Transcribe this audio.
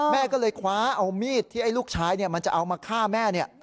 แม่ก็เลยคว้าเอามีดที่ไอ้ลูกชายมันจะเอามาฆ่าแม่เนี่ย